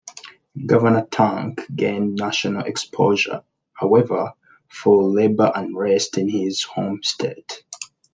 Governor Tuck gained national exposure, however, for labor unrest in his home state.